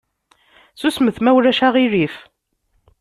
Susmet ma ulac aɣilif!